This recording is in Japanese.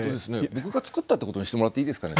僕が作ったってことにしてもらっていいですかね。